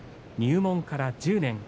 入門から１０年